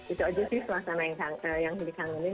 itu aja sih suasana yang dikangenin